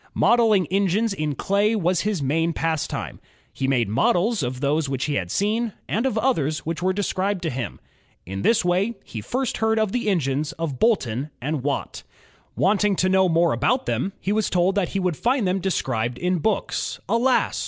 Modeling engines in clay was his main pastime. He made models of those which he had seen, and of others which were described to him. In this way he first heard of the engines of Boulton and Watt. Wanting to know more about them, he was told that he would find them described in books. Alas!